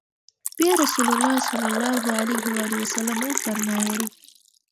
بيا رسول الله صلی الله عليه وسلم وفرمايل: